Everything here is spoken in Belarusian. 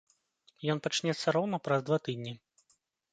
Ён пачнецца роўна праз два тыдні.